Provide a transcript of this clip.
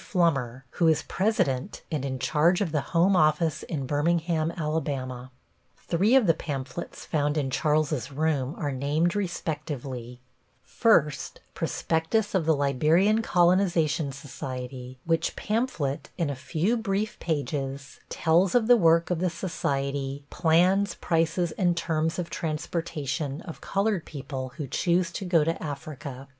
Flummer, who is President and in charge of the home office in Birmingham, Alabama. Three of the pamphlets found in Charles's room are named respectively: First, Prospectus of the Liberian Colonization Society; which pamphlet in a few brief pages tells of the work of the society, plans, prices and terms of transportation of colored people who choose to go to Africa.